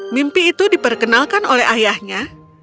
mimpi itu diperkenalkan oleh ayahnya